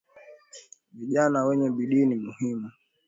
Vijana wenye bidii ni muhimu